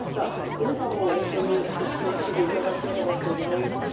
皆さんもお気をつけていただければと思います。